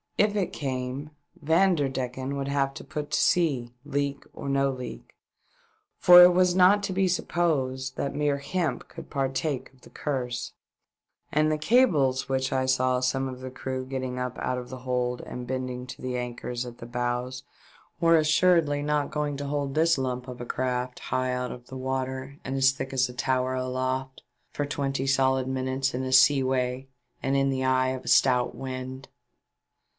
If it came, Vanderdecken would have to put to sea, leak or no leak, for it was not to be supposed that mere hemp could partake of the Curse ; and the cables which I saw some of the crew getting up out of the hold and bending to the anchors at the bows were assuredly not going to hold this lump of a craft, high out of water and as thick as a tower aloft, for twenty solid minutes in a seaway and in the eye of a stout wind.